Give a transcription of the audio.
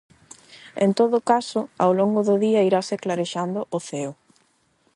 En todo caso, ao longo do día irase clarexando o ceo.